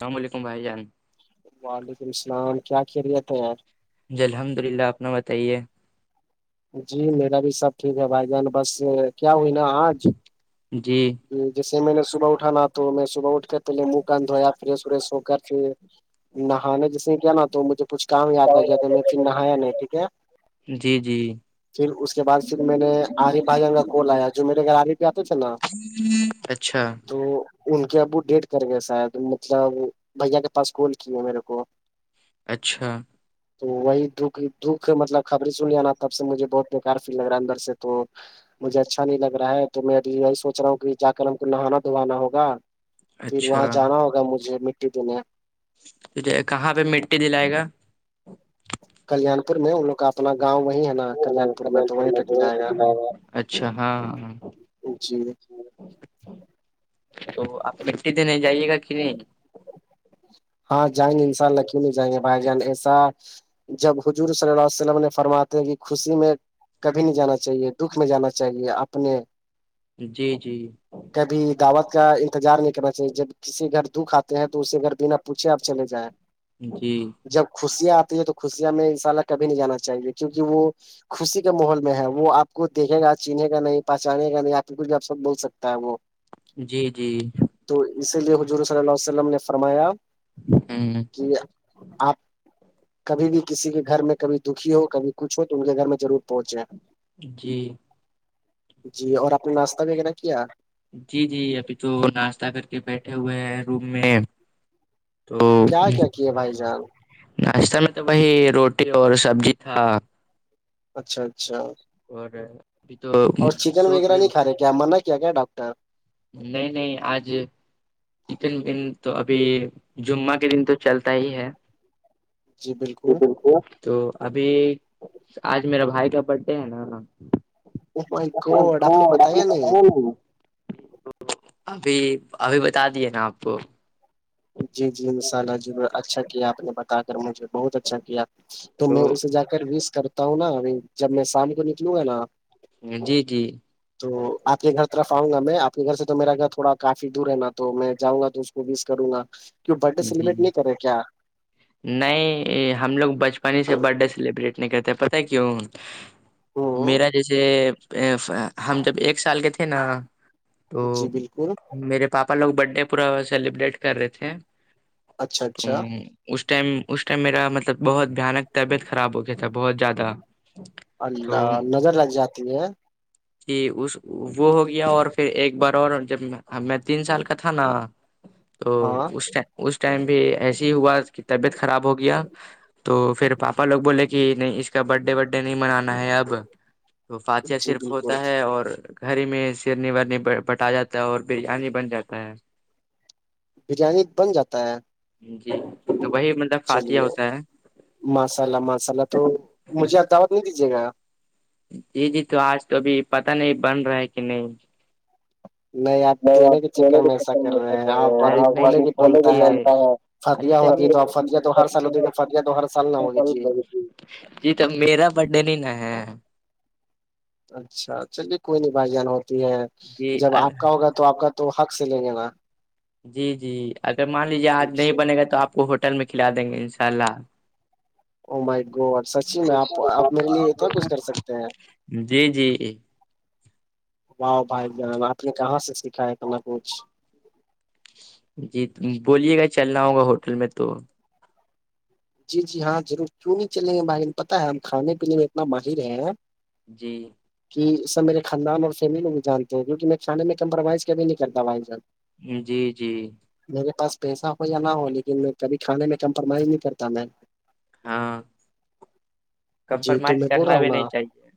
اللام علیکم بھائی جان وعلیکم السلام کیا خیریت ہے جی الحمد للہ آ اپنا بتائیے جی میرا بھی سب ٹھیک ہے بھائی جان بس کیا ہوئی نا آج جی جیسے میں نے صبح اٹھانا تو میں صبح اٹھ کے پہلے منہ ک انند دھویا پریش وریش ہو کر پھر نہانا جسے کیا ن نہ تو مجھے کچھ کام یاد آ گیا تو میں پھر نہایا نہیں ٹھیک ہے جی جی پھر اس کے بعد پھر میں نے آرف بھائی جانکا کال آیا جو میرے گھر آر پہ آتے تھے نا اچھا تو ان کے ابو ڈیٹ کر گئے شاید مطلب بھیا کے پاس کول کی ہے میرے کو اچھا تو وہی دکھ دکھ مطلب خبریں سن ل آا تب سے مجھے بہت بےکار فیل لگ رہا ہے اندر سے تو مجھے اچھا نہیں لگ رہاا تو میں کچراوں کی جا کر ہم کو نہانا دھوانا ہوگا پھر اچھا وہاں جانا ہوگا مجھے مٹی دینے تو کہاں پہ مٹی دلائے گا کلان پور میں ان لوگ کا اپنا گاؤں وہی ہے نا کلان پور میں تو وہیں پہ کلا اچھا ہاں ہاں جی [inaudible] تو آپ مٹی دن جائیے گا کہ نہیں ہاں جائیں گے ان شاء اللہ کیونک نی جائیں گے بھائی جان ایسا جب حضور صلی اللہ عیہ وسلم نے فرماتے ہو کی خوشی میں کبھی نہیں جانا چاہیے دکھ میں جانا چاہیے اپنے جی جی کبھی دعوت کا انتظار نہیں کرنا چاہیے جب کسی گھر دکھ آتے ہیں تو اسی گھر بنا پوچے آپ چلے جائیں جی جب خوشیاں آتی ہے تو خوشیاں میں ان شاء اللہ کبھی نہیں جانا چاہیے کیونکہ وہ خوشی کے ماحول میں ہے وہ آپ کو دیکھے گا چینے کا نہیں پہچانے کا نہیں آپ کے کچھ بھی آپ سب بول سکتا ہے وہ جی جی تو اسی لیے حضور صلی اللہ ع وسلم نے فرمایا [unintelligible] جی آپ کبھی بھی کسی کے گھر میں کبھی دکھی ہو کبھی کچھ ہو تو ان کے گھر میں ضرور پہنچے جی جی اور آپ نے ناشتہ وغیرہ کیا جی جی ابھی تو ناشتہ کر کے بیٹھے ہوئے ہیں روم میں تو کیا کیا کیے بھائی جان ناشتہ میں تو وہی روٹی اور سبزی تھا اچھا اچھا [unintelligible] کیامر نا کیا ڈاکٹر نہیں نہیں آج لیکن دن تو ابھی جمعہ کے دن تو چلتا ہی ہے جی ا بالکل [unintelligible] تو ابھی آج میرا بھائی کا برتھ ڈے ہے نا او مائی گوڈ آپ نے بتایا نہیں [unintelligible] ابھی ابھی بتا دیے نا آپ کو جی جی انشاء اللہ ضرور اچھا کیا آپ نے بتا کر مجھے بہت اچھا کیا تو میں اسے جا کر وس کرتا ہوں نا جب میں شام کو نکلوں گا نا جی جی تو آپ کے گھر طرف آؤں گا میں آپ کے گھر سے تو میرا گھر تھوڑا کافی دور ہے نا تو میں جؤں گا تو بیس کروں گا کی برتھ ڈے جی سیبریٹ نہیں کرے کیا نہیں ہم لوگ بچپن ہی سے برتھ ڈے سیلیبریٹ نہیں کرتے پتہ کیوں ہوں میرا جیسے ا ہم جب ایک سال کے تھے نا تو جی بالکل میرے پاپا لوگ برتھ ڈے پورا سیلیبریٹ کر رہے تھے اچھا اچھا ہمم اس ٹائم اس ٹائم میرا مطلب بہت بھیانک طبیعت خراب ہو گیا تھا بہت زیادہ تو اللہ نظر لگ جاتی ہے کہ اس وہ ہو گیا اور پھر ایک بار اور جب میں تین سال کا تھا نا [inaudible] تو اس اس ٹائم بھی ایسے ہی ہوا کہ طبیعت خراب ہو گیا تو پھر پاپا لوگ بولے کہ نہیں اس کا برڈ ڈے ورڈ ڈے نہیں منانا ہے اب تو فاطیہ جی صرف بالکل ہوتا ہے اور گھر میں سیرنی ویرنی بٹا جاتا ہے اور بریانی بن جاتا ہے بریانی بن جاتا ہے جی تو وہی مطلب خصیہ ہوتا ہے مسالا مسالہ تو مجھے دعوت نہیں دیجیے گا جی جی تو آج تو ابھی پت نہیں بن رہا ہے کہ نہیں [unintelligible] نہیں آپ دینے کے [unintelligible] چکر میں ایسا کر رہے ہیں آپ ابھی بولیں گے بنتا ہے فتح ہوتی ہے تو اب فتح تو ہر سال ہوتی ہے تو فتح تو ہر سال نہ ہوگی جی جی تو میرا بر ڈے نہیں نا ہے اچھا چلیے کوئی نہیں بھائی جان ہوتی ہے جی جب آپ کا ہوگا تو آپ کا تو حق سے لیں گے گا جی جی اگر مان لیجیے آج نہیں بنے گا تو آپ کو ہوٹل میں کھلا دیں گے ان شاء اللہ او مائی گاڑ اور سچی میں آپ آپ میرے لیے اتنا کچھ کر سکتے ہیں جی جی باؤ بھائی بان آپ نے کہاں سے سکھایا اپنا کچھ جی بولیے گا چلنا ہوگا ہوٹل میں تو جی جی ہاں ضرور کیوں نہیں چلیں گے باہر پت ہے ہم کھے پینے میں اتنا ماہر ہے جی کہ سر میرے خاندان اور فیملی بھی جانتے ہیں کیون کہ میں کانے میں کمپروممائز کبھی نہیں کرتا بھائی جان جی جی میرے پاس پیسہ ہو یا نہ ہو لیکن میں کبھی کھانے میں کمپرومائز نہیں کرتا میں ہاں جی تو کمپرومائز میں بول رہا کرنا ہوں بھی نا نہیں چاہیے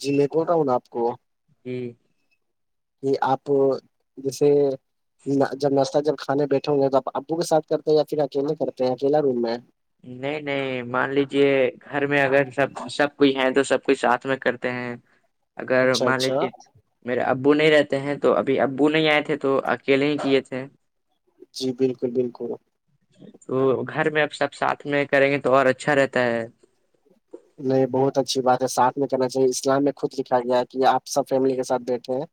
جی میں پتاا ہوں نا آپ کو ہمم کہ آپ جیسے جب ناشتہ جب کھانے بیٹھے ہوں گے توب ابو کے ساتھ کرتے ہیں یا پھر اکیلے کرتے ہیں اکیلا روم میں ہے نہیں نہیں مان لیجے گھر میں اگر سب سب کوئی ہے تو سب کوئی ساتھ میں کرتے ہیں [inaudible] اگر مان اچھا لیجیے میرے ابو نہیں رہتے ہیں تو ابھی ابو نہیں آئے تھے تو اکیلے ہی کیے تھے جی بالکل بالکل تو گھر میں اب سب ساتھ میں کریں گے تو اور اچھا رہتا ہے نہیں بہت اچھی بات ہے سھ میں کہنا چاہیے اسلام میں خود لکھا گیا ہے کہ آپ سب فیملی کے ساتھ بیٹھے ہیں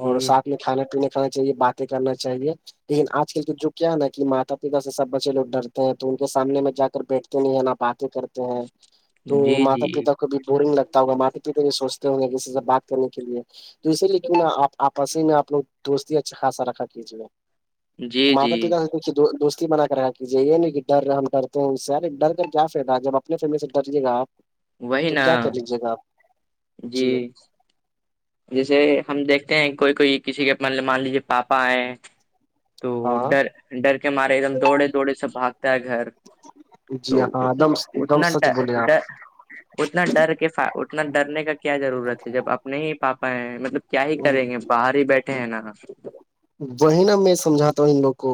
جی اور ساتھ میں کھانا پینے کھانا چاہیے باتیں کرنا چاہیے لیکن آج کل کے جو کیا ہے نا کہ ماتا پتا سے سب بچے لوگ ڈرتے ہیں تو ان کے سامنے میں جا کر بیٹھتے نہیں ہے ن آپ باتیں کرتے ہیں تو جی ماتا جی پتا کو بھی بورنگ لگتا تا ماتے پیتا بھی سوچتے ہوں گے کسی سے بات کرنے کے لیے تو اسی لےیک آپ آپس ہی میں آ لوگ دوستی اچھا خاصا رکھا کیجیے جی جی ماتا پتا سے دوستی بنا کر رہا یہ یہ نہیں کہ ڈر ہم ڈر ہیں ان سےارے ڈر کر کیا فائدہ ہے جب اپنی فیملی سے ڈریے گا آپ وہی تو نا کیا کر لیجیے گا آپ جی جیسے ہم دیکھتے ہیں کوئی کوئی کسی کے م مان لیجیے پاپا ہے تو ہاں ڈر ڈر کے مارے ایک دم دوڑے دوڑے سب بھاگتا ہے گھر تو جی ہاں ایک اتنا دم ایک دم سچ اتنا بولے آپ اتنا ڈر کے اتنا ڈرنے کا کیا ضرورت ہے جب اپنے ہی پاپا ہے مطلب کیا ہی کریں گے باہر ہی بیٹھے ہیں نا وہی نا میں سمھاتا ہوں ان لوگ کو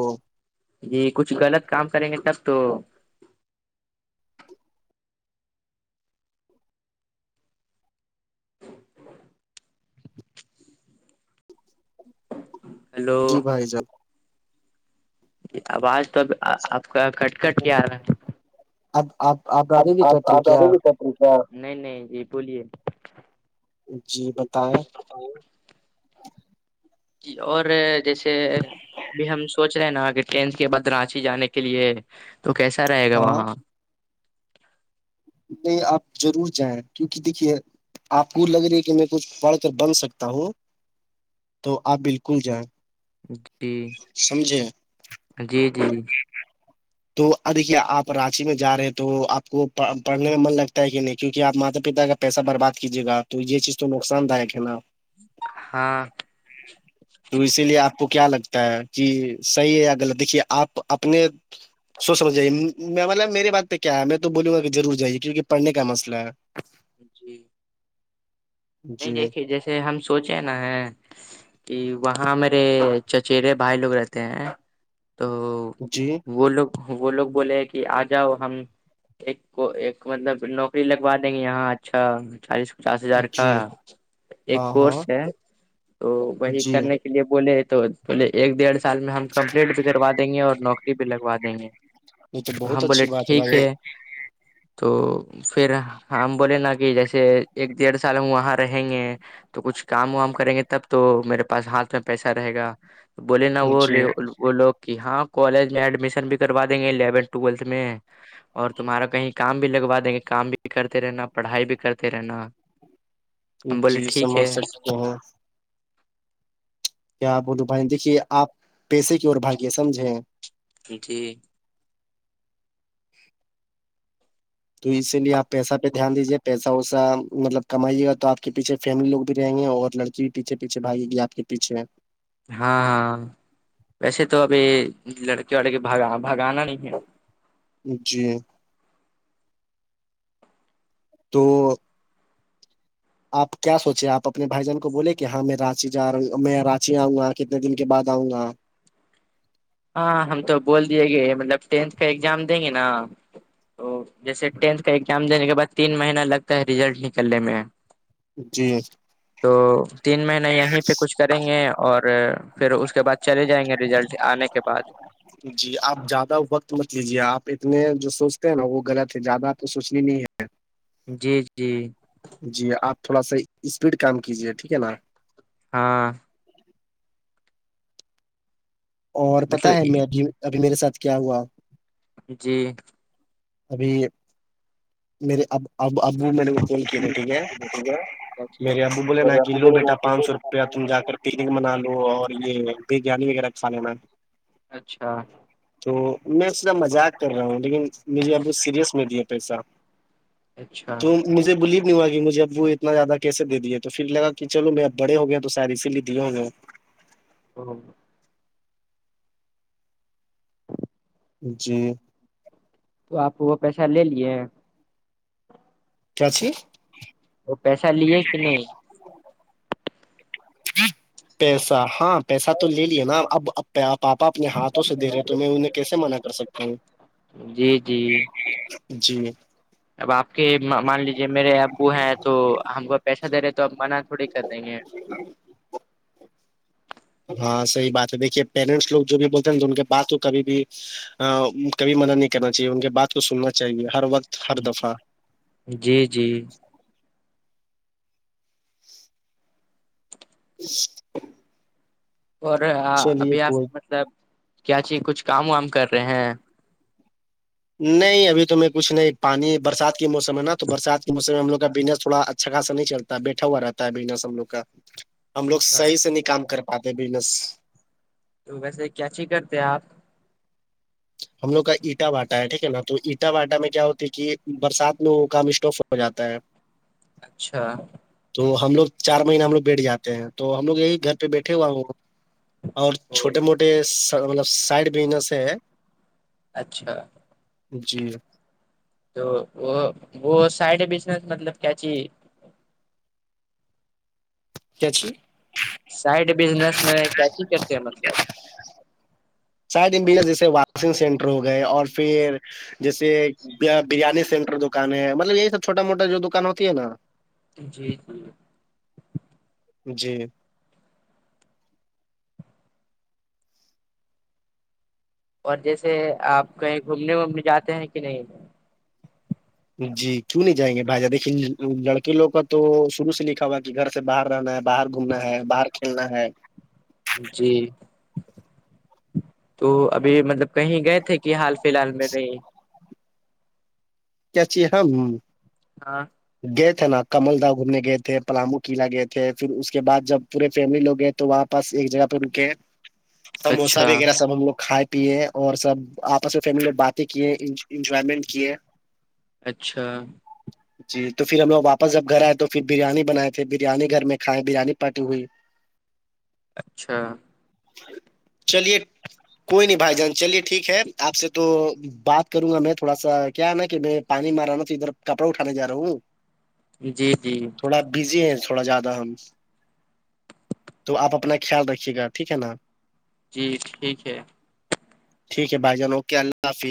جی کچھ غلط کام کریں گے تب تو ہلو جی بھائی ضر آواز تو آپ کا کٹ کٹ جان کیا رہا ہے اب آپ آپ آ دے گی چوٹری کیا ا نہیں نہیں یہ بولیے جی بتائیں اور جی اور جیسے ابھی ہم سوچ رہے ہیں نا کہ ٹرین کے بعد رانچی جانے کے لیے تو کیسا رہے گا ہاں وہاں نہیں آپ ضرور جائیں کیونکہ دیکھیے آپ کو لگ رہی ہے کہ میں کچھ پڑھ کر بن سکتا ہوں تو آپ بالکل جائیں جی سمجے جی جی تو آ دیکھیے آپ رانچی میں جا رہے ہیں تو آپ کو پڑھنے میں من لگتا ہے کہ نہیں کیونکہ آپ ماتا پتا کا پیسہ برباد کیجے گا تو یہ چیز تو نقصان داک ہے نا ہاں رو س لیے آپ آ کو کیا لگتا ہے کہ صحیح ہے یا غلط دیکھیے آپ اپنے سو سمجھئیے مطلب میرے بات پہ کیا ہے میں تو بولوں گا کہ ضرور جائیے کیونکہڑھنے کا مسئلہ ہے [inaudible] جی نہیں جی دیکھیے جیسے ہم سوچے نا ہے کہ وہاں میرے چچیرے بھائی لوگ رہتے ہیں تو جی وہ لوگ وہ لوگ بولے ہیں کہ آ جاؤ ہم ایک کو ایک مطلب نوکری لگوا دیں گے یہاں اچھا چالیس پچاس ہزار کا جی ایک ہاں ہاں کورس ہے تو وہی جی کرنے لیے بولے تو بولے ایک ڈیڑھ سال میں ہم کمپلیٹ بھی کروا دیں گے اور نوکری بھی لگوا دیں گے یہ تو ہم بہت بولے اچھی بات ٹھیک بھائی ہے تو پھر ہم بولے نا کہ جیسے ایک دڑ سال ہم وہاں رہیں گے تو کچھ کام وام کریں گے تب تو میرے پاس ہاتھ میں پیسہ رہے گا بولے نا وہ جی [unintelligible] وہ لوگ کہ ہاں کالج میں ایڈمیشن بھی کروا دیں گے الیونتھ ٹویلتھ میں اور تمہارا کہیں کام بھی لگوا دیں گے کام بھی کرتے رہنا پڑھائی بھی کرتے رہنا ہم بولے جی ٹھیک ہے سمجھ سکتے ہیں کیاپ وہ د بھائی دیکھیے آپ پیسے کی اور بھاگ سمجھیں جی تو اسی لیے آپ پیسہ پہ دھیان دیجیے پیسہ ویسا مطلب کمائیےا تو آپ کے پیچھے فیملی لوگ بھی رہیں گے اور لڑک جی پیھے پیچھے بھائی گ آپ کے پیچھے ہاں ہاں ویسے تو ابھی لڑکی وڑکیھگا بھگانا نہیں ہے جی تو آپ کیا سوچے آپ اپنے بھائی جان کو بولے کہ ہاں میں راچی جا رہا ہ میں رانچی آؤں گا کتنے دن کے بعد آؤں گا ہاں ہم تو بول دیے گے مطلب ٹینتھ کا ایگزام دیں گے نا تو جیسے ٹینتھ کا ایگزام دینے کے بعد تین مہینہ لگتا ہے ریزلٹ نکلنے میں جی تو تین مہین یہیں پہ کچھ کریں گے اور پھر اس کے بعد چلے جائیں گے ریزلٹ آنے کے بعد جی آپ زیادہ وقت مت لیجیے آپ اتنے جو سوچتے ہیں نا وہ غلط ہے زیادہ آپ کو سوچنی نہیں ہے جی جی جی آپ تھوڑا سا اسپیڈ کام کیجیے ٹھیک ہے نا ہاں اور پتاہ مطلب ہے میں ابھی ابھی میرے ساتھ کیا ہوا جی ابھی میرے ا ا ابو م نے کو کال کیاے تھے ٹھیک ہے میرے ابو بولے نا کہ لو بیٹا پانچ سو روپیہ تم جا کر پکنک منا لو اور یہ بریانی وغیرہ رھانے میں اچھا تو میں اسرا مذاق کر ہ لیکن مجھے ابھی سیریس نہیں دیا پیسہ اچھا تو مجھے بولیے نہیں ہوا کہ مجےب وہ اتنا زیادہ کیسے دیے تو پھر لگا کہ چلو میں اب بڑے ہو گیا تو سیر اسی لیے دیے ہو گئے ہیں ہ [unintelligible] جی تو آپ وہ پیسہ لے لیے کیاچ [inaudible] وہ پیسہ لیے کہ نہیں پیسہ ہاں پیسہ تو لے لیا نا اب پاپا اپنے ہاتھوں سے دےرے تو میں انہیں کیسے منع کر سکتا ہوں جی جی جی اب آپ کے مان لیجیے میرے ابو ہیں تو ہم کو پیسہ دے رہے تو اب منع تھوڑی کر دیں گے ہاں صحی بات ہے دیکھیے پیرنٹس لوگ جو بھی بولتے ہیں تو ان کے بات کو کبھی بھی کبھی مدد نہیں کرنا چاہیے ان کے بات کو سننا چاہیے ہر وقت ہر دفعہ جی جی جی اور چلیے ابھی آپ کوئی مطلب کیا چی کچھ کام وام کر رہے ہیں نہیں ابھی تو میں کچھ نہیں پانی برسات کے موسم ہے نا تو برسات کے موسم میں ہم لگ کا بزنس تھوڑا چھگا سا نہیں چلتا بیٹھا ہوا رہتا ہے بزنس ہم لوگ کا ہم لوگ اچھا صح سے نہیں کام کر پات بزنس [inaudible] تو ویسے کیاچھیی کرتے آپ ہم لوگ کا اٹا باٹا ہے ٹھیک ہے نا تو اٹا واٹا میں کیا ہوتی ہے کہ برسات میں وہ کام اسٹوف ہو جاتا ہے [inaudible] اچھا تو ہم لوگ چار مہینے ہم لوگ بیٹھ جاتے ہیں تو ہم لوگ یہی گھر پہ بیٹھے ہوا وہ اور او چھوٹے موٹے مطلب سائڈ بیزنس ہے اچھا جی تو وہ وہ سائڈ بزنس مطلب کیاچی کیاچھی سائڈ بزنس میں کیاسی کرتے ہیں مطلب شاید بییا جیسے واکسنگ سینٹر ہو گئے اور پھر جیسے بریانی سینٹر دکان ہے مطلب یہی سب چھوٹا موٹا جو دکان ہوتی ہے نا جی جی اور جیسے آپ کہیں گھومنے وومنے جاتے ہیں کہ نہیں جی کیوں نہیں جائیں گے بھائی جان دیکن لڑکے لوگ کا تو شرو سے لکھا ہوا کہ گھر سے باہر رہنا ہے باہر گھومنا ہے باہر کھیلنا ہے جی تو ابھی مطلب کہیں گئے تھے کہ حال فی الحال میں نہیں [unintelligible] ہاں گئے تھے نا کمل دا گھومنے گئے تھے پلاامو قلع گئے تھے پھر اس کے بعد جب پورے فیملی لوگ ہیں تو وہاں پس ایک جگہ پہ رکے سموسا اچھا وغیرہ سب ہم لوگ کھائے پیے اور سب آپس میں فیملی باتیں کیے انجوائمنٹ کیے اچھا [inaudible] جی تو پھر ہم لوگ واپس جب گھر آئے تو پھر بریانی بنائے تھے بریانی گھر میں کھائے بریانی پارٹی ہوئی [inaudible] اچھا چلیے کوئی نہیں بھائی جان چلیے ٹھیک ہے آپ سے تو بات کروں گا میں تھوڑا سا کیا ہے ن کہ میں پانی مار رہا نا تو ادھر کپڑا اٹھانے جا رہا ہوں جی جی تھوڑا بزی ہے تھوڑا زیادہ ہم تو آپ اپنا خیال رکھیے گا ٹھیک ہے نا جی ٹھیک ہے ٹھیک ہے بھائی جان اوے اللہ حافظ